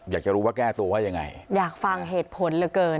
อยากจะรู้ว่าแก้ตัวว่ายังไงอยากฟังเหตุผลเหลือเกิน